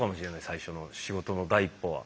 最初の仕事の第一歩は。